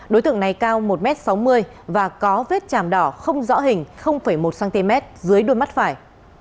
đối tượng này cao một m sáu mươi và có vết chàm đỏ không rõ hình một cm dưới đuôi mắt phải